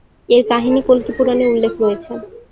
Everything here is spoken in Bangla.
এর কাহিনী কল্কি পুরাণে উল্লেখ রয়েছে।